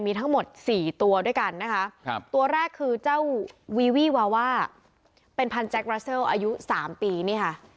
มีทั้งหมดสี่ตัวด้วยกันนะคะตัวแรกคือเจ้าวีวี่วาว่าเป็นพันแจ๊กรัสเซิลอายุ๓ปีนี่ค่ะ